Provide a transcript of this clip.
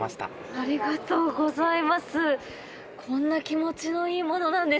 ありがとうございます。